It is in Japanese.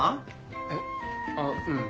えっ？あうん。